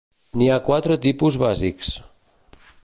N’hi ha quatre tipus bàsics.